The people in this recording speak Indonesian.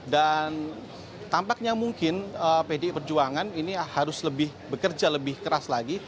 dan tampaknya mungkin pdi perjuangan ini harus lebih bekerja lebih keras lagi